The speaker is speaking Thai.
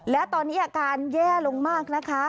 และตอนนี้อาการแย่ลงมากนะคะ